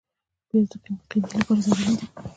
پیاز د قیمې لپاره ضروري دی